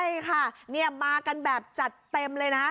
ใช่ค่ะมากันแบบจัดเต็มเลยนะ